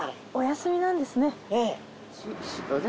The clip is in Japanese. お休みなんですね。